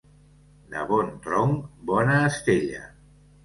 De bon tronc, bona estella.